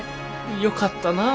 よかったなぁ。